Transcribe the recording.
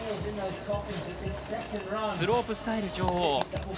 スロープスタイル女王。